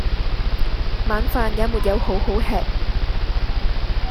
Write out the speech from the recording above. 晚飯也沒有好好吃！